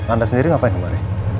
anda sendiri ngapain kemarin